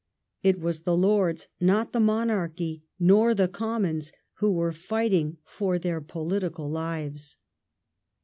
It was the Lords, not the Monarchy nor the Commons, who were fighting for their political lives.